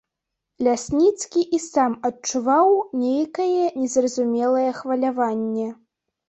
Лясніцкі і сам адчуваў нейкае незразумелае хваляванне.